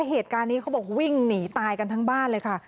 เหตุการณ์นี้เขาบอกวิ่งหนีตายกันทั้งบ้านเลยค่ะ